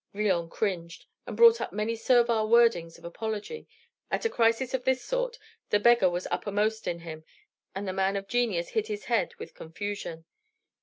Villon cringed, and brought up many servile words of apology; at a crisis of this sort, the beggar was uppermost in him, and the man of genius hid his head with confusion.